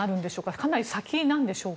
かなり先でしょうか。